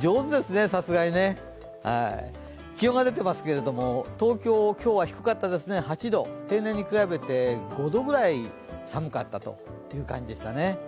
上手ですね、さすがにね。気温が出ていますけれども、東京は今日低かったですね、８度、平年に比べて５度ぐらい寒かったという感じでしたね。